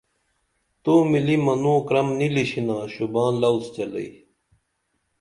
تو مِلی منوں کرَم نی لِشِنا شوباں لَوز چلئی